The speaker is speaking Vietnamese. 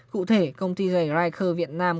cụ thể công ty dày riker việt nam